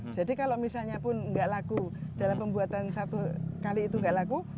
jadi kalau misalnya pun enggak laku dalam pembuatan satu kali itu enggak laku